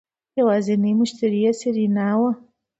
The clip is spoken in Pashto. يوازينی مشتري يې سېرېنا وه.